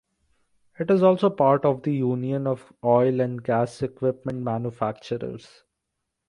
It is also part of the Union of Oil and Gas Equipment Manufacturers.